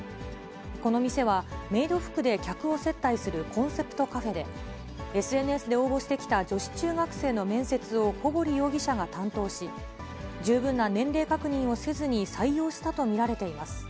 この店は、メイド服で客を接待するコンセプトカフェで、ＳＮＳで応募してきた女子中学生の面接を小堀容疑者が担当し、十分な年齢確認をせずに採用したと見られています。